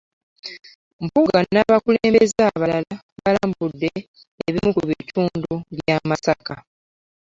Mpuuga n'abakulembeze abalala, balambudde ebimu ku bitundu bya Masaka.